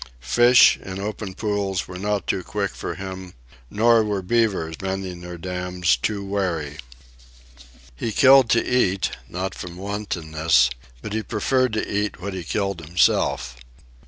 Fish, in open pools, were not too quick for him; nor were beaver, mending their dams, too wary. He killed to eat, not from wantonness; but he preferred to eat what he killed himself.